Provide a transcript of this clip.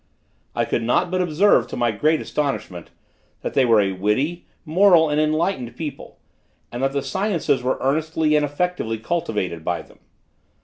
I could not but observe, to my great astonishment, that they were a witty, moral and enlightened people, and that the sciences were earnestly and effectively cultivated by them.